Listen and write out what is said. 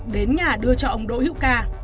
đến nhà đưa cho ông đỗ hiệu ca